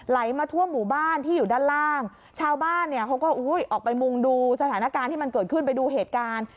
ไหลมาทั่วหมู่บ้านที่อยู่ด้านล่างชาวบ้านเนี่ยเขาก็อุ้ยออกไปมุงดูสถานการณ์ที่มันเกิดขึ้นไปดูเหตุการณ์